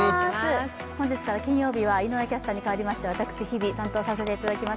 本日から金曜日は井上キャスターにかわりまして私、日比、担当させていただきます。